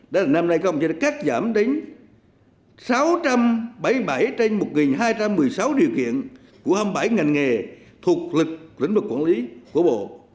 đó là năm nay công chế đã cắt giảm đến sáu trăm bảy mươi bảy trên một hai trăm một mươi sáu điều kiện của hai mươi bảy ngành nghề thuộc lịch lĩnh vực quản lý của bộ